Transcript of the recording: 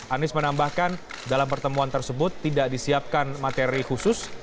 anies menambahkan dalam pertemuan tersebut tidak disiapkan materi khusus